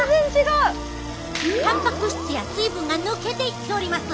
たんぱく質や水分が抜けていっております！